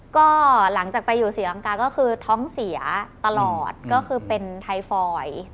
ก็หลังจากไปอยู่ศรีลังกาก็คือท้องเสียตลอดก็คือเป็นไทฟอย